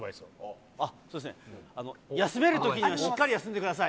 そうですね、休めるときにはしっかり休んでください。